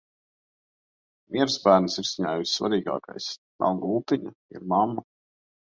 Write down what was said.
Miers bērna sirsniņā ir vissvarīgākais. Nav gultiņa, ir mamma.